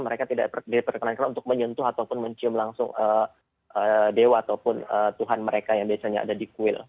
mereka tidak diperkenankan untuk menyentuh ataupun mencium langsung dewa ataupun tuhan mereka yang biasanya ada di kuil